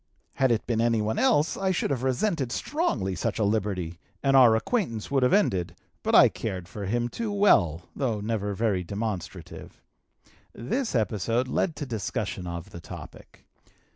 Had it been anyone else I should have resented strongly such a liberty, and our acquaintance would have ended, but I cared for him too well, though never very demonstrative. This episode led to discussion of the topic.